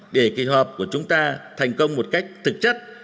để kỳ họp của chúng ta thành công một cách thực chất